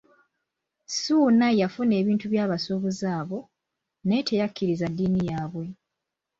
Ssuuna yafuna ebintu by'abasuubuzi abo, naye teyakkiriza ddiini yaabwe.